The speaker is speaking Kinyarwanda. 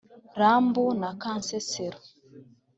Lambu na kansesero